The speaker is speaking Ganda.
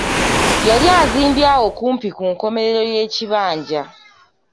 Yali azimbye awo kumpi ku nkomerero y'ekibanja.